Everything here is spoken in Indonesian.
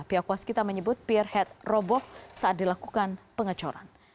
pihak waskita menyebut prh roboh saat dilakukan pengecoran